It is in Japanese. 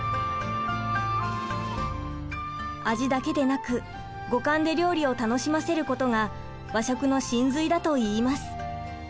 味だけでなく五感で料理を楽しませることが和食の神髄だといいます。